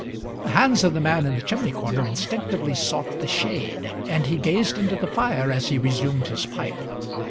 The hands of the man in the chimney corner instinctively sought the shade, and he gazed into the fire as he resumed his pipe.